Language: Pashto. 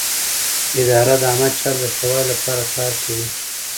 اداره د عامه چارو د ښه والي لپاره کار کوي.